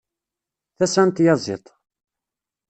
Tasa n tyaziḍt.